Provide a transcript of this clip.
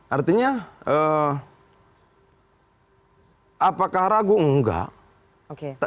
artinya apakah ragu enggak